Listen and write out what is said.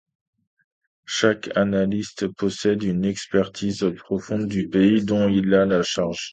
Chaque analyste possède une expertise profonde du pays dont il a la charge.